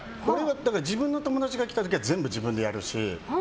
自分の友達が来た時は全部、自分でやるし。